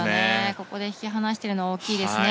ここで引き離しているのは大きいですね。